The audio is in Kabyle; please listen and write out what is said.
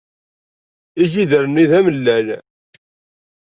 Igider-nni d amellal.